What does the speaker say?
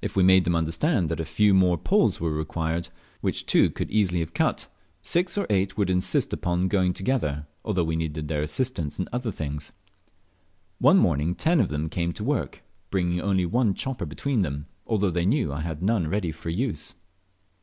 If we made them understand that a few more poles were required, which two could have easily cut, six or eight would insist upon going together, although we needed their assistance in other things. One morning ten of them came to work, bringing only one chopper between them, although they knew I had none ready for use.